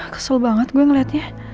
kesel banget gue ngeliatnya